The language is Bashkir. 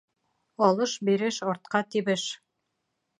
Алыш-биреш артҡа тибеш.